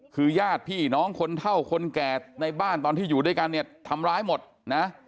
คือญาติพี่น้องคนเท่าคนแก่ในบ้านตอนที่อยู่ด้วยกันเนี่ยทำร้ายหมดนะ